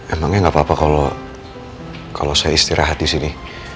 emangnya gak apa apa kalau saya istirahat disini